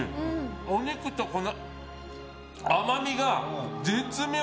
お肉の甘みが絶妙。